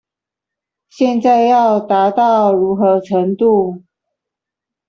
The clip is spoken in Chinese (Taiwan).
現在要達到如何程度